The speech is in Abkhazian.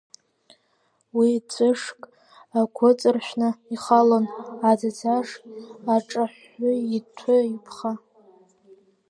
Уи еҵәышк агәыҵаршәны ихалон, аӡаӡаш аҿаҳәҳәы, иҭәы-иԥха.